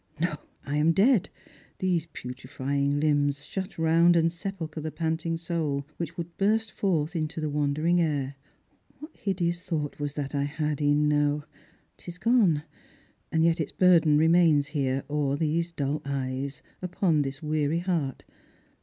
No, I am dead! These putrifying limbs Shut round and sepulchre the panting soul, Which would burst forth into the wandering air. What hideous thought was that I had e'en now! 'Tis gone ; and yet its burden remains here, O'er these dull eyes — upon this weary heart!